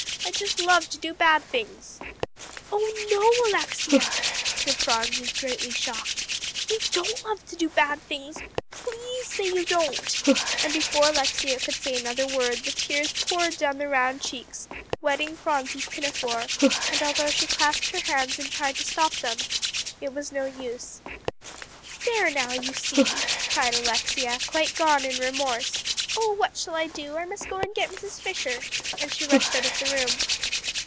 I just love to do bad things." "Oh no, Alexia," said Phronsie greatly shocked, "you don't love to do bad things. Please say you don't;" and before Alexia could say another word, the tears poured down the round cheeks, wetting Phronsie's pinafore. And although she clasped her hands and tried to stop them, it was no use. "There now, you see," cried Alexia, quite gone in remorse. "Oh, what shall I do? I must go and get Mrs. Fisher," and she rushed out of the room.